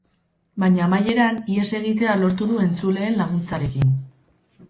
Baina amaieran, ihes egitea lortu du entzuleen laguntzarekin.